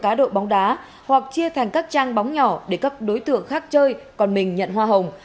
cá độ bóng đá hoặc chia thành các trang bóng nhỏ để các đối tượng khác chơi còn mình nhận hoa hồng